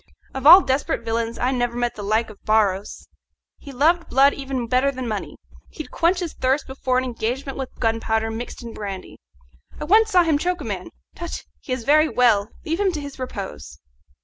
Of all desperate villains I never met the like of Barros. He loved blood even better than money. He'd quench his thirst before an engagement with gunpowder mixed in brandy. I once saw him choke a man tut! he is very well leave him to his repose."